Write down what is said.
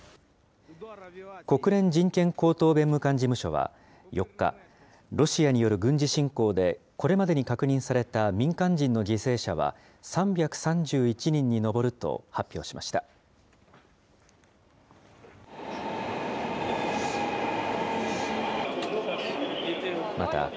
国連人権高等弁務官事務所は４日、ロシアによる軍事侵攻でこれまでに確認された民間人の犠牲者は３３１人に上ると発表しました。